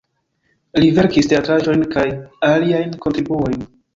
Li verkis teatraĵojn kaj aliajn kontribuojn.